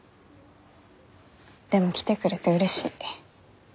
でも来てくれてうれしい。